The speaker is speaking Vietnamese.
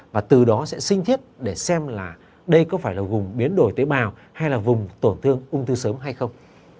và từ đó sẽ sinh thiết để xem là đây có phải là vùng biến đổi tế bào hay là vùng tổn thương ung thư sớm hay không